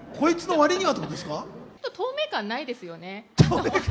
ちょっと透明感ないですよね。